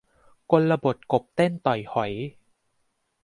กลบทกบเต้นต่อยหอย